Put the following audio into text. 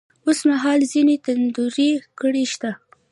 اوس مـهال ځــينې تـنـدروې کـړۍ شـتـه.